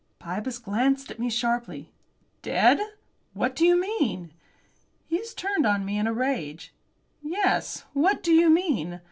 Pybus glanced at me sharply. "Dead! What do you mean?" Hughes turned on me in a rage. "Yes. What do you mean?"